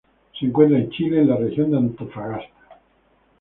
Se encuentra en Chile en la región de Antofagasta.